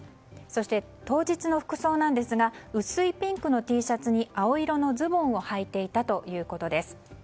そして当日の服装ですが薄いピンクのＴシャツに青色のズボンをはいていたということです。